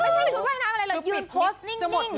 ยืนโพสต์นิ่ง